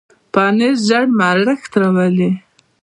پنېر ژر مړښت راولي.